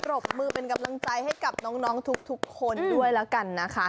รบมือเป็นกำลังใจให้กับน้องทุกคนด้วยแล้วกันนะคะ